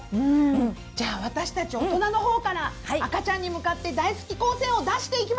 じゃあ私たち大人の方から赤ちゃんに向かって大好き光線を出していきましょう！